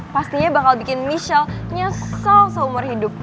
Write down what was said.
pastinya bakal bikin michelle nyesel seumur hidup